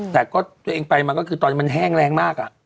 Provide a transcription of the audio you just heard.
แต่ก็ตัวเองไปมาก็คือตอนนี้มันแห้งแรงมาก